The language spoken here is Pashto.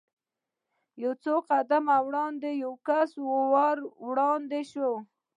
یو څو قدمه وړاندې یو کس ور وړاندې شو.